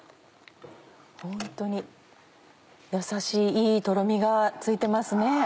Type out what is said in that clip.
ホントにやさしいいいトロミがついてますね。